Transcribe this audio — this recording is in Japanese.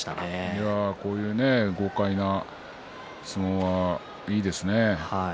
いやあ、こういう豪快な相撲はいいですね。